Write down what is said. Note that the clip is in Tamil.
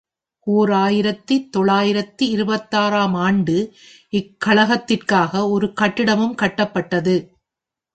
ஓர் ஆயிரத்து தொள்ளாயிரத்து இருபத்தாறு ஆம் ஆண்டு இக்கழகத்திற்காக ஒரு கட்டிடமும் கட்டப்பட்டது.